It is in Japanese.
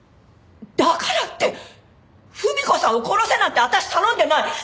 だからって文子さんを殺せなんて私頼んでない！